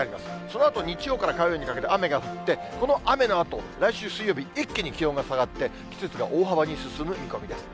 そのあと、日曜から火曜にかけて、雨が降って、この雨のあと、来週水曜日、一気に気温が下がって、季節が大幅に進む見込みです。